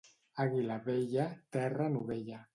Àguila vella, terra novella.